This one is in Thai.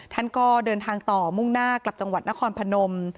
ท่านก็เดินทางต่อมุ่งหน้ากลับจังหวัดนครพนม